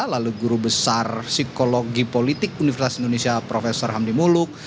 lalu guru besar psikologi politik universitas indonesia prof hamdi muluk